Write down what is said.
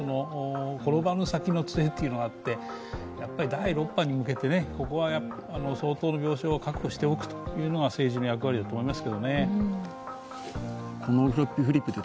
転ばぬ先の杖というのがあって、第６波に向けて、相当の病床を確保しておくというのが政治の役割だと思います。